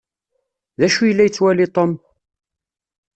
D acu yella yettwali Tom?